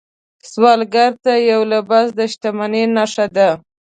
سوالګر ته یو لباس د شتمنۍ نښه ده